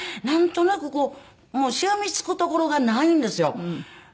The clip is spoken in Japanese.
なんとなくこうしがみつくところがないんですよ。